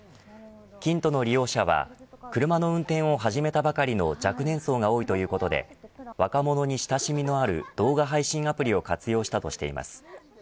ＫＩＮＴＯの利用者は車の運転を始めたばかりの若年層が多いということで若者に親しみのある動画配信アプリを活用したとしています。